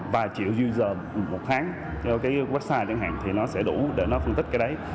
vài triệu user một tháng website chẳng hạn thì nó sẽ đủ để nó phân tích cái đấy